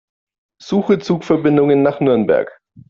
Suche Zugverbindungen nach Nürnberg.